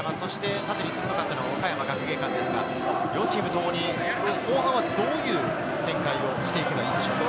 縦に鋭かったのは岡山学芸館ですが、両チームともに後半はどういう展開をしていけばいいでしょうか？